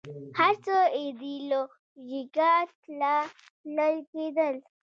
هر څه ایدیالوژیکه تله تلل کېدل